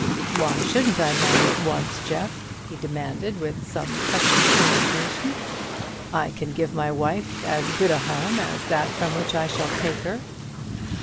"Why shouldn't I marry at once, Jeff?" he demanded, with some touch of indignation. "I can give my wife as good a home as that from which I shall take her."